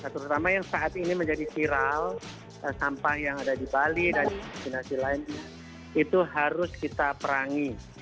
terutama yang saat ini menjadi viral sampah yang ada di bali dan dinasi lain itu harus kita perangi